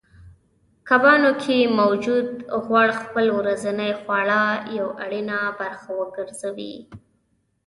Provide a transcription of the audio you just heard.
کبانو کې موجود غوړ خپل ورځنۍ خواړه یوه اړینه برخه وګرځوئ